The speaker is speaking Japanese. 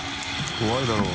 怖いだろう。